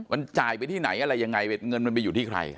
มันจ่ายไปที่ไหนอะไรยังไงเงินมันไปอยู่ที่ใคร